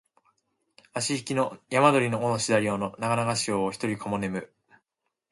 あしひきの山鳥の尾のしだり尾のながながし夜をひとりかも寝む